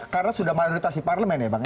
karena sudah manuditasi parlemen ya bang